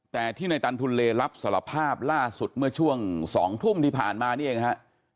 แต่ที่ในตันทุนเลรับสารภาพล่าสุดเมื่อช่วง๒ทุ่มที่ผ่านมานี่เองฮะ